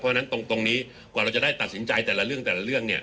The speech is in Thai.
เพราะฉะนั้นตรงนี้ก่อนเราจะได้ตัดสินใจแต่ละเรื่องเนี่ย